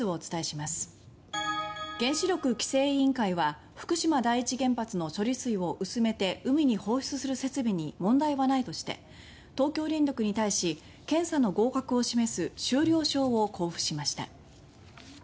原子力規制委員会は福島第一原発の処理水を薄めて海に放出する設備に問題はないとして東京電力に対し検査の合格を示す終了証を交付しました。